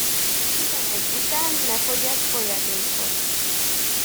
Tizenegy után ne fogyassz folyadékot!